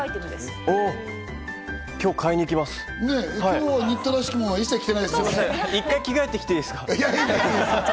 今日、買いに行きます。